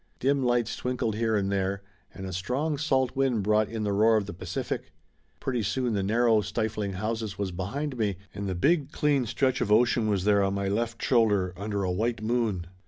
Dim lights twinkled here and there, and a strong salt wind brought in the roar of the Pacific. Pretty soon the narrow, stifling houses was behind me, and the big, clean stretch of ocean was there on my left, under a white moon.